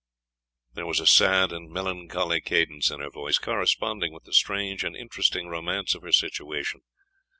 There was a sad and melancholy cadence in her voice, corresponding with the strange and interesting romance of her situation.